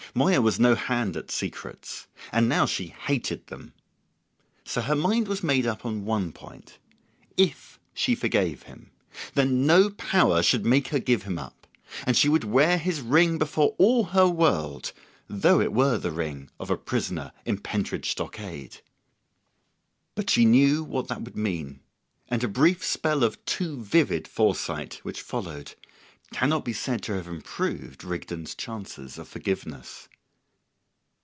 Moya was no hand at secrets. And now she hated them. So her mind was made up on one point. If she forgave him, then no power should make her give him up, and she would wear his ring before all her world, though it were the ring of a prisoner in Pentridge Stockade. But she knew what that would mean, and a brief spell of too vivid foresight, which followed, cannot be said to have improved Rigden's chances of forgiveness.